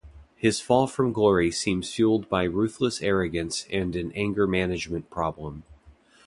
His fall from glory seems fueled by ruthless arrogance and an anger management problem.